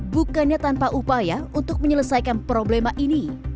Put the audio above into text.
bukannya tanpa upaya untuk menyelesaikan problema ini